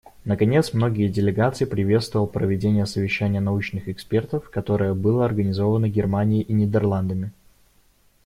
Наконец, многие делегации приветствовал проведение совещания научных экспертов, которое было организовано Германией и Нидерландами.